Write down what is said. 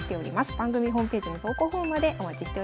番組ホームページの投稿フォームまでお待ちしております。